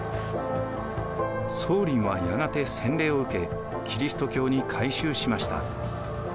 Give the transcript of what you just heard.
宗麟はやがて洗礼を受けキリスト教に改宗しました。